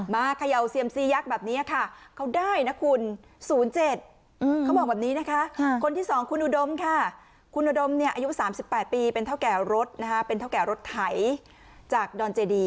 มาเขย่าเสี่ยมซียักด์แบบเนี้ยค่ะเขาได้นะคุณศูนย์เจ็ด